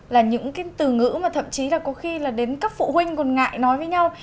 là những cái từ ngữ mà thậm chí là có khi là đến các phụ huynh còn ngại nói với nhau